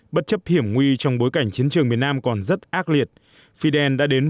bất chấp hiểm nguy trong bối cảnh chiến trường miền nam còn rất ác liệt